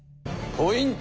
ポイント